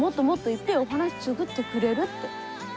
っぺえお話つぐってくれるって。